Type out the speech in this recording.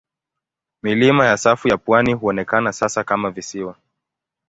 Milima ya safu ya pwani huonekana sasa kama visiwa.